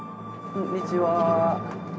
こんにちは。